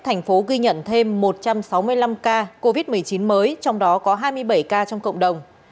thành phố ghi nhận thêm một trăm sáu mươi năm ca covid một mươi chín mới trong đó có hai mươi bảy ca trong cộng đồng